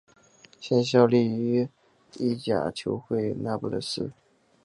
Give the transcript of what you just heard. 现效力于意甲球会那不勒斯。